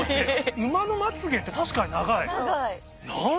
馬のまつ毛って確かに長い。